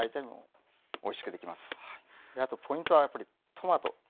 であとポイントはやっぱりトマト。